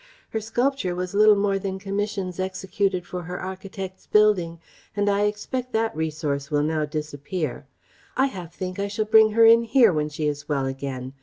Her sculpture was little more than commissions executed for her architect's building and I expect that resource will now disappear ... I half think I shall bring her in here, when she is well again.